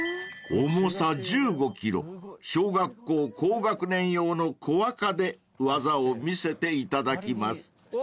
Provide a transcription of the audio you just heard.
［重さ１５ｋｇ小学校高学年用の小若で技を見せていただきます］